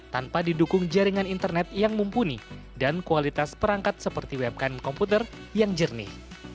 tanpa didukung jaringan internet yang mumpuni dan kualitas perangkat seperti websime komputer yang jernih